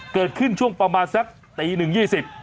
เกิดขึ้นช่วงประมาณสักตี๑ที่๒๐